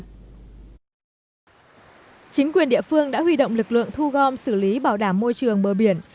chính quyền địa phương đã huy động lực lượng thu gom xử lý bảo đảm môi trường bờ biển